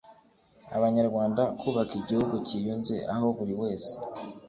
abanyarwanda kubaka igihugu cyiyunze aho buri wese